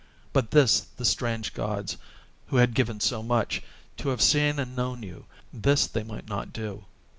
But this the strange gods, who had given so much, To have seen and known you, this they might not do.